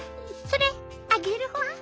それあげるホワ。